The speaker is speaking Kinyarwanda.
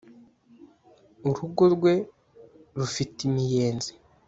urugo rwe rufite imiyenzi.